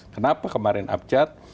kenapa kemarin abcat